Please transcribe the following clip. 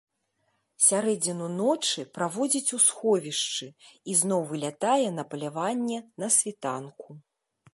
Сярэдзіну ночы праводзіць у сховішчы і зноў вылятае на паляванне на світанку.